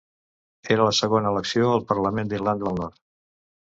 Era la segona elecció al Parlament d'Irlanda del Nord.